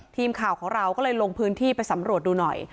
ทีมข่าวของเราก็เลยลงพื้นที่ไปสำรวจดูหน่อย